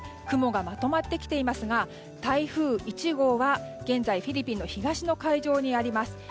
雲がまとまってきていますが台風１号は現在、フィリピンの東の海上にあります。